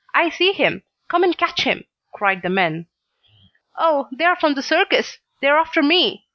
I see him! Come and catch him!" cried the men. "Oh, they're from the circus! They're after me!"